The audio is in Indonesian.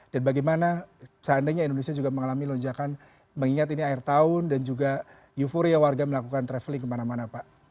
dan bagaimana seandainya indonesia juga mengalami lonjakan mengingat ini akhir tahun dan juga euforia warga melakukan traveling kemana mana pak